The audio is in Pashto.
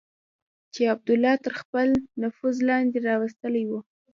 چې عبیدالله تر خپل نفوذ لاندې راوستلي وو.